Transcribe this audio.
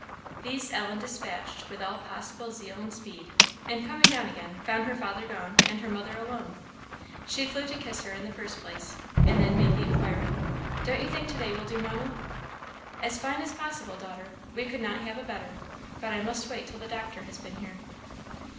These Ellen despatched with all possible zeal and speed; and coming down again, found her father gone, and her mother alone. She flew to kiss her in the first place, and then made the inquiry, "Don't you think to day will do, Mamma?" "As fine as possible, daughter; we could not have a better; but I must wait till the doctor has been here."